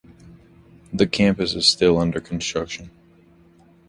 The campus is still under construction.